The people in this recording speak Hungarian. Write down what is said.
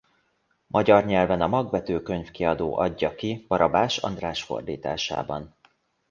Magyar nyelven a Magvető Könyvkiadó adja ki Barabás András fordításában.